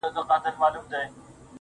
دا عجیبه شاني درد دی، له صیاده تر خیامه